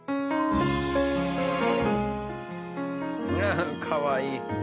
ああっかわいい。